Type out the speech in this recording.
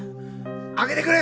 開けてくれ。